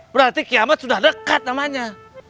berarti kiamat sudah dekat namanya